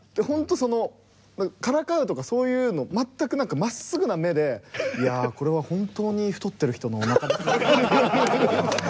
そのからかうとかそういうの全くなくまっすぐな目で「いやあこれは本当に太ってる人のおなかですね」って言って。